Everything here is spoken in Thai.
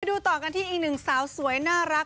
ดูต่อกันที่อีกหนึ่งสาวสวยน่ารัก